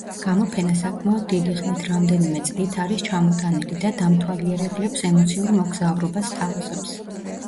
გამოფენა საკმაოდ დიდი ხნით, რამდენიმე წლით არის ჩამოტანილი და დამთვალიერებლებს ემოციურ მგზავრობას სთავაზობს.